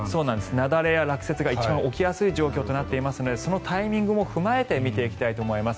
雪崩や落雪が一番起きやすい状況となっているのでそのタイミングも踏まえて見ていきたいと思います。